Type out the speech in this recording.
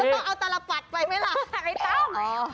แล้วต้องเอาตลาดปัดไปไหมล่ะไอ้ต้ม